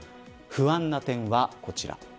不安な点はこちら。